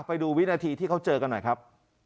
ไปดูวินาทีที่เขาเจอกันหน่อยครับ